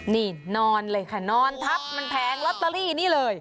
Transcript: นี่นอนเลยค่ะนอนทับมันแผงลอตเตอรี่นี่เลย